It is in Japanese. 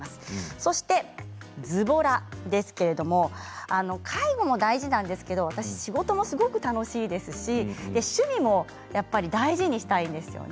そして、ずぼらですけれども介護も大事なんですけど私は仕事もすごく楽しいですし趣味もやっぱり大事にしたいんですよね。